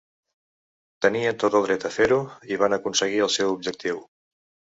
Tenien tot el dret a fer-ho i van aconseguir el seu objectiu.